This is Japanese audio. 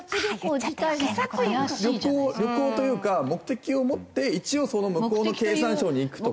旅行というか目的を持って一応向こうの経産省に行くとか。